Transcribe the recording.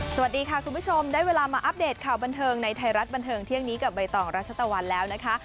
สวัสดีค่ะคุณผู้ชมได้เวลามาอัปเดตข่าวบันเทิงในไทยรัฐบันเทิงเที่ยงนี้กับใบตองรัชตะวันแล้วนะคะ